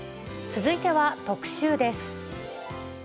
続いては特集です。